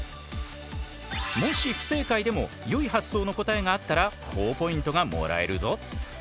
もし不正解でもよい発想の答えがあったらほぉポイントがもらえるぞ。